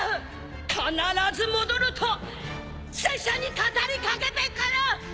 必ず戻ると拙者に語りかけてくる！